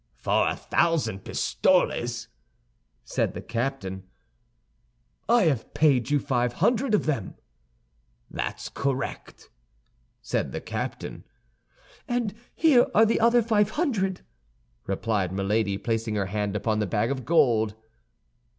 "For a thousand pistoles," said the captain. "I have paid you five hundred of them." "That's correct," said the captain. "And here are the other five hundred," replied Milady, placing her hand upon the bag of gold.